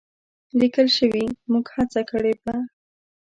لیکل شوې، موږ هڅه کړې په